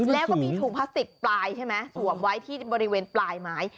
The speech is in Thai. แล้วก็มีถุงพลาสติกปลายใช่ไหมสวมไว้ที่บริเวณปลายไม้